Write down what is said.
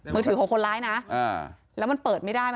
มือถือของคนร้ายนะแล้วมันเปิดไม่ได้